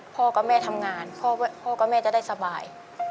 พ่อกล้องแม่ทำงานพ่อกล้องแม่จะได้สบาย